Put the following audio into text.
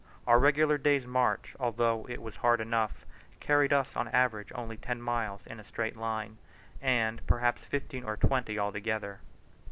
Our regular day's march, although it was hard enough, carried us on an average only ten miles in a straight line, and perhaps fifteen or twenty altogether.